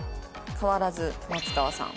変わらず松川さん。